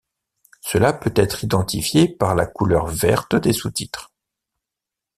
Cela peut être identifié par la couleur verte des sous-titres.